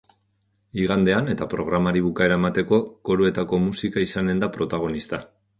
Igandean, eta programari bukaera emateko, koruetako musika izanen da protagonista.